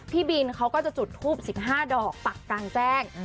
พี่บินเขาก็จะจุดทูป๑๕ดอกปักกลางแจ้ง